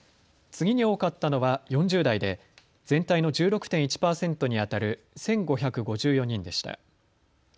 次に多かったのは４０代で全体の１６．１％にあたる１５５４人でした。